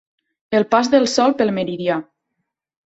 El pas del Sol pel meridià.